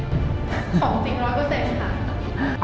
ของจริงร้อยกว่าเต็มค่ะ